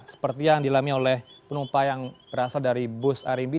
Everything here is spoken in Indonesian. seperti yang dilami oleh penumpang yang berasal dari bus arimbi